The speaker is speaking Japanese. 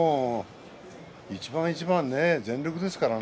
一番一番全力ですからね